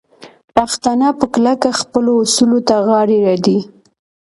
پښتانه په کلکه خپلو اصولو ته غاړه ږدي.